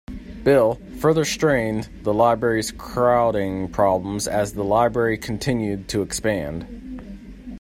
Bill, further strained the Library's crowding problems as the library continued to expand.